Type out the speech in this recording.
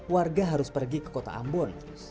warga harus pergi ke kota ambon